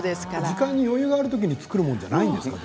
時間に余裕があるときに作るものじゃないんですか？